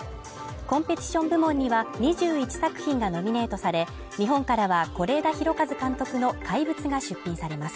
コンペティション部門には２１作品がノミネートされ、日本からは是枝裕和監督の「怪物」が出品されます。